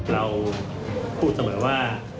เราพูดเสมอว่า